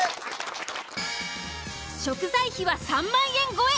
食材費は３万円超え。